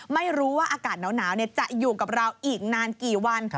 ไม่รู้ว่าอากาศหนาวจะอยู่กับเราอีกนานกี่วัน